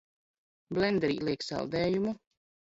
Blenderī liek saldējumu.